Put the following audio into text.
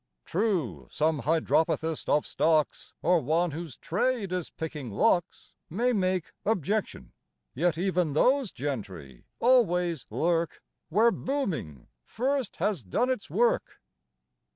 True, some hydropathist of stocks, Or one whose trade is picking locks, May make objection: Yet even those gentry always lurk Where booming first has done its work.